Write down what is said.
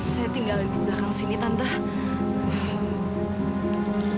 saya tinggal di belakang sini tanpa